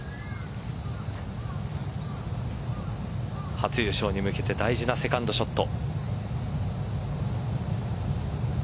初優勝に向けて大事なセカンドショット。